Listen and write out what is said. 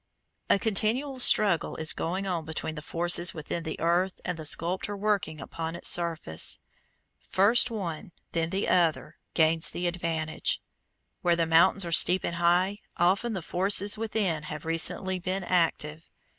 A continual struggle is going on between the forces within the earth and the sculptor working upon its surface. First one, then the other, gains the advantage. Where the mountains are steep and high, often the forces within have recently been active.